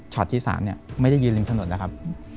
ช็อตที่๓ไม่ได้ยืนถนนแล้วครับ